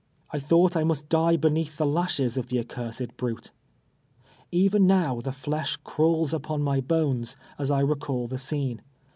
I thought I mnst die beneath the lashes of the accursed brute. Even now the flesh crawls npon my bones, as I recall the scene.